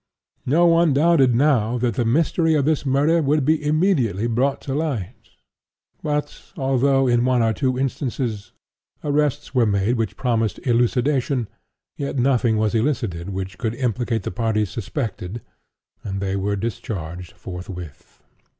No one doubted now that the mystery of this murder would be immediately brought to light. But although, in one or two instances, arrests were made which promised elucidation, yet nothing was elicited which could implicate the parties suspected; and they were discharged forthwith.